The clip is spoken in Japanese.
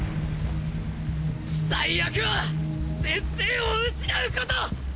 最悪は先生を失うこと！